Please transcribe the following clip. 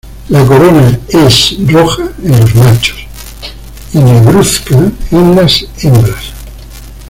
La corona es roja en los machos y negruzca en las hembras.